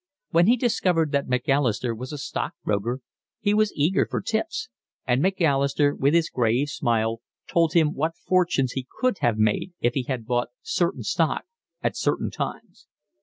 When he discovered that Macalister was a stockbroker he was eager for tips; and Macalister, with his grave smile, told him what fortunes he could have made if he had bought certain stock at certain times.